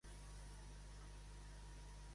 Fou el primer cop que va notar com vibrava la vila?